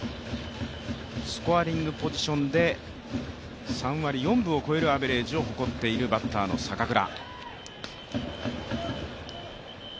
スコアリングポジションで３割４分を超えるアベレージを誇っているバッターの坂倉。